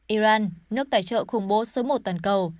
iran nước tài trợ khủng bố số một toàn cầu